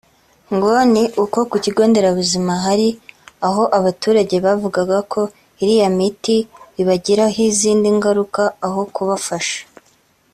ngo ni uko ku bigo nderabuzima hari aho abaturage bavugaga ko iriya miti ibagiraho izindi ngaruka aho kubafasha